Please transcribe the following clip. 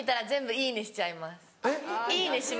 「いいね！」